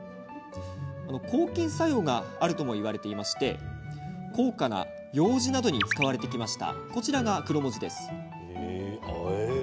抗菌作用があるともいわれ高価なようじなどに使われてきました。